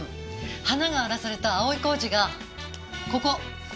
花が荒らされた葵小路がここ。